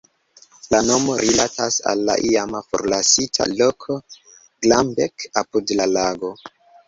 La nomo rilatas al la iama forlasita loko "Glambek" apud la lago.